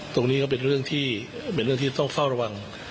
ตรงนี้ก็เป็นเรื่องที่ต้องเฝ้าระวัง